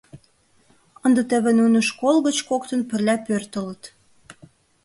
Ынде теве нуно школ гыч коктын пырля пӧртылыт.